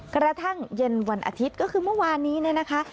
กระทั่งเย็นวันอาทิตย์ก็คือเมื่อวานนี้เนี่ยนะคะ